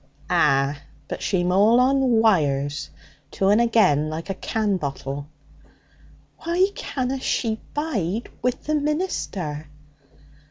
'Ah! But she'm all on wires, to and agen like a canbottle.' 'Why canna she bide with the minister?'